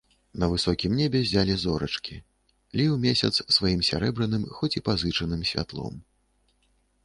На высокім небе ззялі зорачкі, ліў месяц сваім сярэбраным, хоць і пазычаным, святлом.